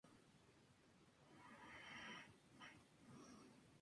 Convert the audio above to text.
La ciudad es el centro de realizadores de alfombras en el norte de Afganistán.